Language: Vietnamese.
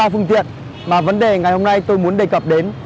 ba phương tiện mà vấn đề ngày hôm nay tôi muốn đề cập đến